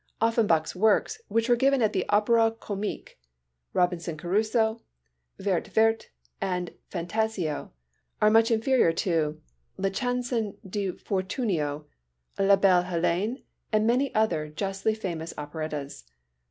Offenbach's works which were given at the Opéra Comique—Robinson Crusoé, Vert Vert, and Fantasio are much inferior to La Chanson de Fortunio, La Belle Hélène and many other justly famous operettas.